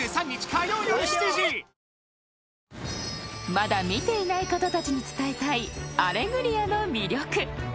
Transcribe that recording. ［まだ見ていない方たちに伝えたい『アレグリア』の魅力］